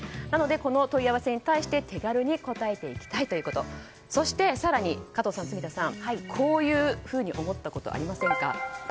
なのでこの問い合わせに対して手軽に答えていきたいということそして、更に加藤さん、住田さんこういうふうに思ったことありませんか？